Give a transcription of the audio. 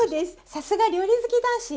さすが料理好き男子！